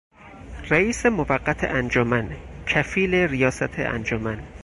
رئیس موقت انجمن، کفیل ریاست انجمن